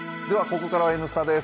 ここからは「Ｎスタ」です。